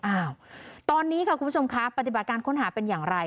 อ้าวตอนนี้ค่ะคุณผู้ชมครับปฏิบัติการค้นหาเป็นอย่างไร